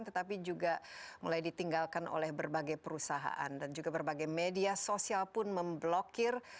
tetapi juga mulai ditinggalkan oleh berbagai perusahaan dan juga berbagai media sosial pun memblokir